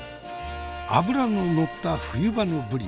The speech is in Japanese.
脂の乗った冬場のぶり。